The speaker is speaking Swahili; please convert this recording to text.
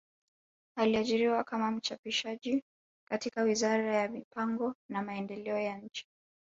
Aliajiriwa kama mchapishaji katika wizara ya mipango na maendeleo ya nchi